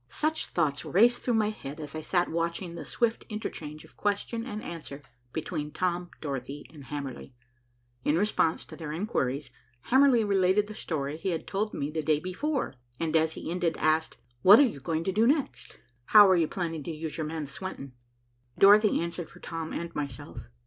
Such thoughts raced through my head as I sat watching the swift interchange of question and answer between Tom, Dorothy and Hamerly. In response to their inquiries, Hamerly related the story he had told me the day before, and as he ended, asked, "What are you going to do next? How are you planning to use your man Swenton?" Dorothy answered for Tom and myself.